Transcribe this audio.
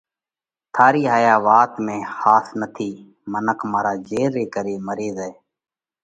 ٿارِي هايا وات ۾ ۿاس نٿِي، منک مارا جھير ري ڪري مري زائه۔